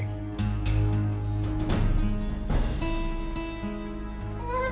aku gak mau gavin